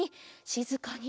しずかに。